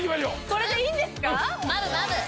これでいいんですか？